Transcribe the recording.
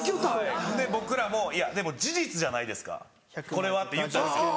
なんで僕らも「いやでも事実じゃないですかこれは」って言ったんですけど。